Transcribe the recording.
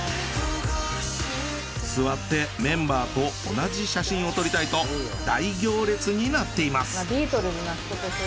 座ってメンバーと同じ写真を撮りたいと大行列になっています。